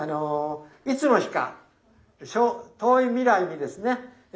いつの日か遠い未来にですね